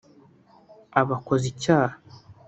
aba akoze icyaha